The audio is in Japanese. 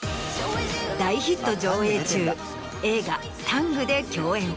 大ヒット上映中映画『ＴＡＮＧタング』で共演。